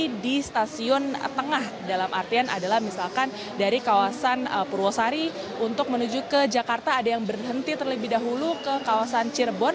ini di stasiun tengah dalam artian adalah misalkan dari kawasan purwosari untuk menuju ke jakarta ada yang berhenti terlebih dahulu ke kawasan cirebon